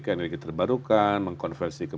ke energi terbarukan mengkonversi ke